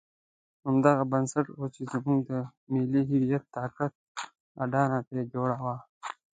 همدغه بنسټ وو چې زموږ د ملي هویت طاقت اډانه ترې جوړه وه.